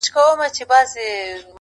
• خدایه معلوم یمه، منافقت نه کوم.